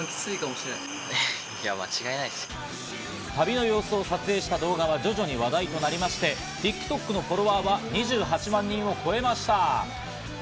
旅の様子を撮影した動画は徐々に話題となりまして、ＴｉｋＴｏｋのフォロワーは２８万人を超えました。